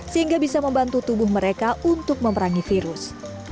sehingga bisa membantu tubuh mereka untuk memerangi virus